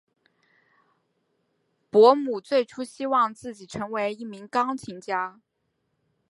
伯姆最初希望自己成为一名钢琴家。